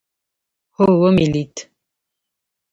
هو ومې لېد.